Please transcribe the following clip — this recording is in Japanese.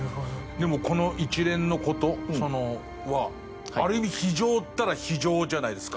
この一連の事はある意味非情っていったら非情じゃないですか。